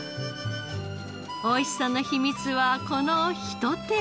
おいしさの秘密はこの一手間。